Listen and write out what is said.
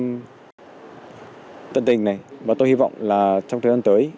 được sự quan tâm tận tình này và tôi hy vọng là trong thời gian tới